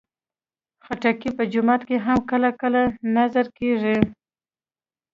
خټکی په جومات کې هم کله کله نذر کېږي.